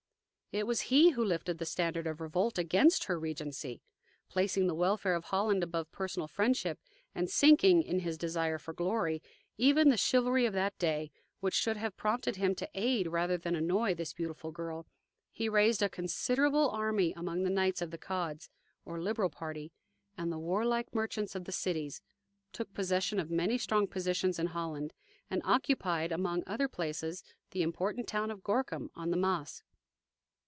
It was he who lifted the standard of revolt against her regency. Placing the welfare of Holland above personal friendship, and sinking, in his desire for glory, even the chivalry of that day, which should have prompted him to aid rather than annoy this beautiful girl, he raised a considerable army among the knights of the Cods, or liberal party, and the warlike merchants of the cities, took possession of many strong positions in Holland, and occupied, among other places, the important town of Gorkum on the Maas.